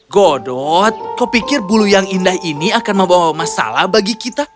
godot kau pikir bulu yang indah ini akan membawa masalah bagi kita